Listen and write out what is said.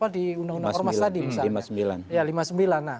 di undang undang ormas tadi misalnya